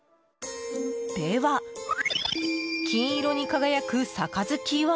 では、金色に輝く杯は？